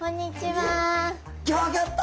ギョギョッと！